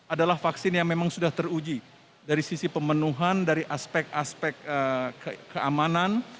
adalah vaksin yang memang sudah teruji dari sisi pemenuhan dari aspek aspek keamanan